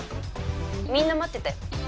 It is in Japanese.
みんな待ってたよ。